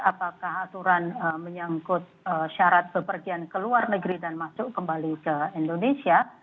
apakah aturan menyangkut syarat bepergian ke luar negeri dan masuk kembali ke indonesia